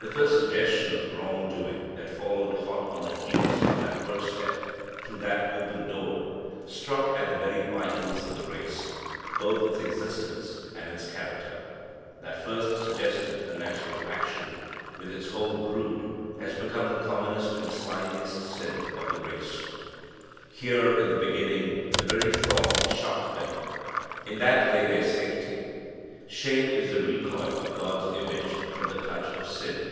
The first suggestion of wrong doing that followed hot on the heels of that first step, through that open door, struck at the very vitals of the race both its existence and its character. That first suggested unnatural action, with its whole brood, has become the commonest and slimiest sin of the race. Here, in the beginning, the very thought shocked them. In that lay their safety. Shame is the recoil of God's image from the touch of sin.